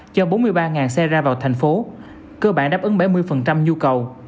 cho bốn mươi ba xe ra vào thành phố cơ bản đáp ứng bảy mươi nhu cầu